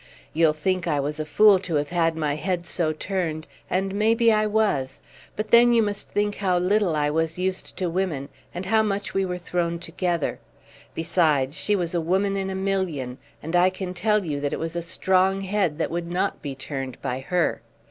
You'll think I was a fool to have had my head so turned, and maybe I was; but then you must think how little I was used to women, and how much we were thrown together. Besides she was a woman in a million, and I can tell you that it was a strong head that would not be turned by her.